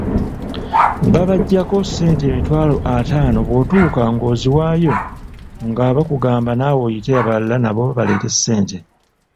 Babaggyako ssente emitwalo ataano bw'otuuka ng'oziwaayo nga bakugamba naawe oyite abalala nabo baleete ssente.